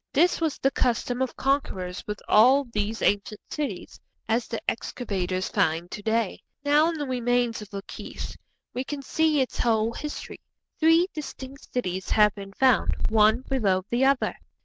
This was the custom of conquerors with all these ancient cities, as the excavators find to day. Now, in the remains of Lachish we can see its whole history. Three distinct cities have been found, one below the other.